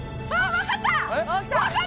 わかった！